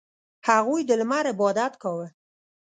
• هغوی د لمر عبادت کاوه.